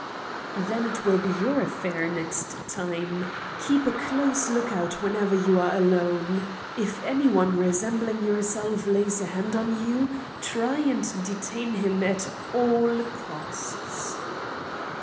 "Then it will be your affair next time. Keep a close look out whenever you are alone. If anyone resembling yourself lays a hand on you, try and detain him at all costs."